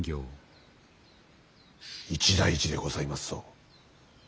一大事でございますぞ。